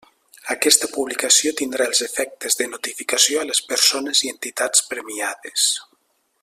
Aquesta publicació tindrà els efectes de notificació a les persones i entitats premiades.